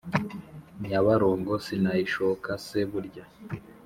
Nyabarongo sinayishoka se burya